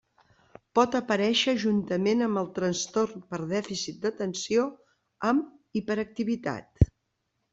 Pot aparèixer juntament amb el Trastorn per dèficit d'atenció amb hiperactivitat.